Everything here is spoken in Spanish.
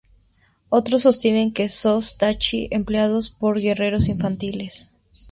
Otros sostienen que son "tachi" empleados por guerreros infantiles.